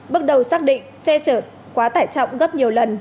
bước đầu xác định xe chở quá tải trọng gấp nhiều lần